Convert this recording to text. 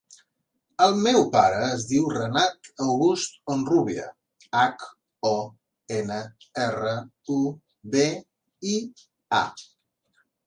El meu pare es diu Renat August Honrubia: hac, o, ena, erra, u, be, i, a.